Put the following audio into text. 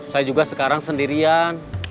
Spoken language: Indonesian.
saya juga sekarang sendirian